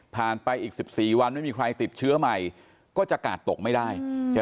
ไปอีก๑๔วันไม่มีใครติดเชื้อใหม่ก็จะกาดตกไม่ได้ใช่ไหม